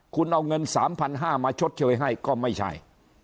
คุณเอาเงิน๓๕๐๐มาชดเชยให้ก็ไม่ใช่